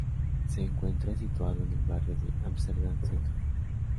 Se encuentra situado en el barrio de Amsterdam-Centrum.